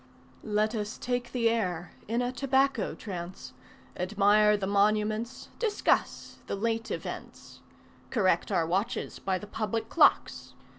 Let us take the air, in a tobacco trance, Admire the monuments Discuss the late events, Correct our watches by the public clocks.